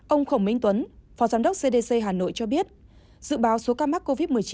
ông khổng minh tuấn phó giám đốc cdc hà nội cho biết dự báo số ca mắc covid một mươi chín